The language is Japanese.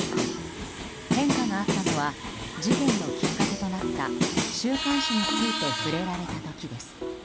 変化があったのは事件のきっかけとなった週刊誌について触れられた時です。